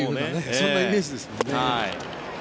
そんなイメージですもんね。